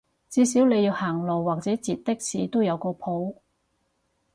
至少你要行路或者截的士都有個譜